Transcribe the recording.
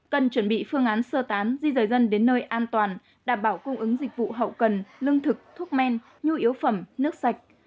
cần chuẩn bị phương án sơ tán di rời dân đến nơi an toàn đảm bảo cung ứng dịch vụ hậu cần lương thực thuốc men nhu yếu phẩm nước sạch